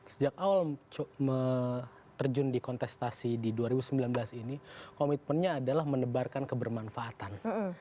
sejak awal terjun di kontestasi di dua ribu sembilan belas ini komitmennya adalah menebarkan kebermanfaatan